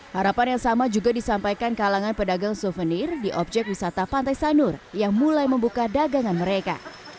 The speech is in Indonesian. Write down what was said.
harapan yang sama juga disampaikan kalangan pedagang souvenir di objek wisata pantai sanur yang mulai membuka dagangan mereka